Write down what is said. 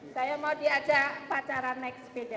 saya mau diajak pacaran naik sepeda